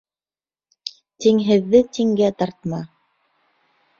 Тиңһеҙҙе тиңгә тартма: